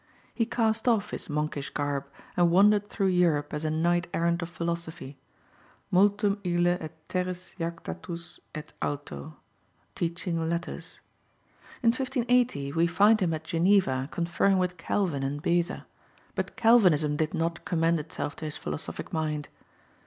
He cast off his monkish garb, and wandered through Europe as a knight errant of philosophy, multum ille et terris jactatus et alto, teaching letters. In 1580 we find him at Geneva conferring with Calvin and Beza, but Calvinism did not commend itself to his philosophic mind.